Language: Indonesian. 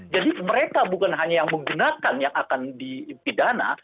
jadi mereka bukan hanya yang menggunakan yang akan dipidana